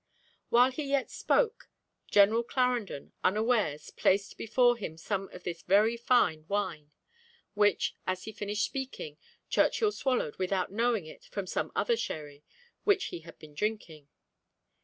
While he yet spoke, General Clarendon, unawares, placed before him some of this very fine wine, which, as he finished speaking, Churchill swallowed without knowing it from some other sherry which he had been drinking.